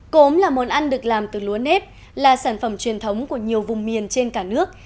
cốm là món ăn được làm từ lúa nếp là sản phẩm truyền thống của nhiều vùng miền trên cả nước